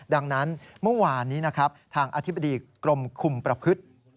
ดังนั้นเมื่อวานนี้นะครับทางอธิบดีกรมคุมประพฤติ